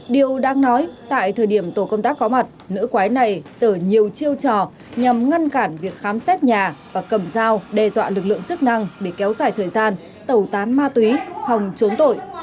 điều đang nói tại thời điểm tổ công tác có mặt nữ quái này sở nhiều chiêu trò nhằm ngăn cản việc khám xét nhà và cầm dao đe dọa lực lượng chức năng để kéo dài thời gian tẩu tán ma túy hòng trốn tội